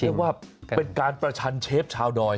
เรียกว่าเป็นการประชันเชฟชาวดอย